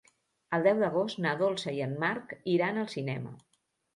El deu d'agost na Dolça i en Marc iran al cinema.